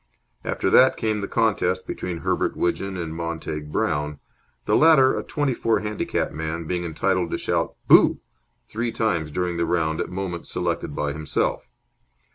After that came the contest between Herbert Widgeon and Montague Brown, the latter, a twenty four handicap man, being entitled to shout "Boo!" three times during the round at moments selected by himself.